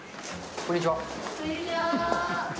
こんにちは。